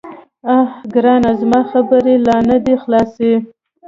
_اه ګرانه، زما خبرې لا نه دې خلاصي.